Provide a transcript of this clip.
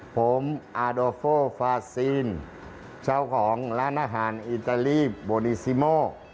ผมอาโดโฟฟาซีนเจ้าของร้านอาหารอิตาลีโบดีซิโม